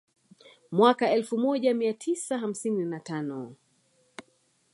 Mwaka elfu moja mia tisa hamsini na tano